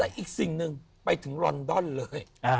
แต่อีกสิ่งหนึ่งไปถึงลอนดอนเลย